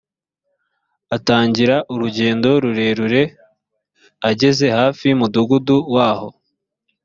atangira urugendo rurerure ageze hafi y umudugudu w aho